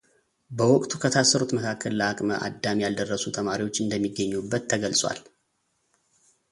በወቅቱ ከታሰሩት መካከል ለአቅመ አዳም ያልደረሱ ተማሪዎች እንደሚገኙበት ተገልጿል።